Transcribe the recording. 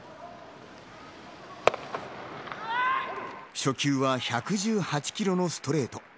初球は１１８キロのストレート。